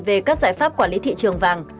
về các giải pháp quản lý thị trường vàng